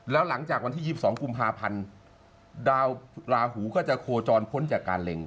แล้วหลังจากวันที่๒๒กุมภาพันธ์ดาวราหูก็จะโคจรพ้นจากการเล็ง